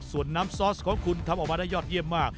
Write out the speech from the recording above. ส่วนน้ำซอสของคุณทำออกมาได้ยอดเยี่ยมมาก